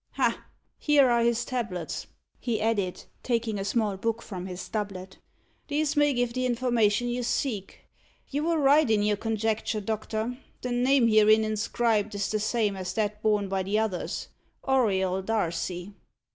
Ha! here are his tablets," he added, taking a small book from his doublet; "these may give the information you seek. You were right in your conjecture, doctor. The name herein inscribed is the same as that borne by the others Auriol Darcy."